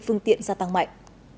phương tiện gia tăng mạnh